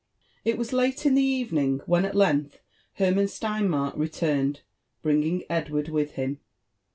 It was late io the evening when at length Hermann Steinmark turned, bringing Edward wilh him.